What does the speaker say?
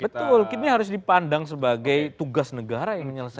betul ini harus dipandang sebagai tugas negara yang menyelesaikan